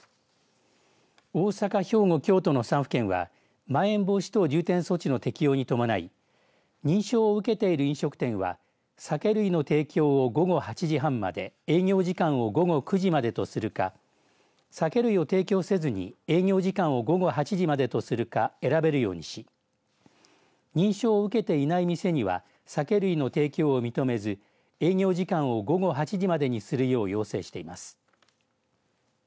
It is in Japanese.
大阪、兵庫、京都の３府県はまん延防止等重点措置の適用に伴い認証を受けている飲食店は酒類の提供を午後８時半まで営業時間を午後９時までとするか酒類を提供せずに営業時間を午後８時までとするか選べるようにし認証を受けていない店には酒類の提供を認めず営業時間を午後８時までにするよう要請しています。